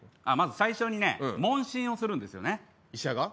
まず最初にね問診をするんですよね。